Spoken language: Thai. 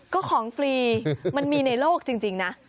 ก็ของฟรีมันมีในโลกจริงนะ